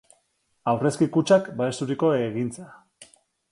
Aurrezki Kutxak babesturiko egintza.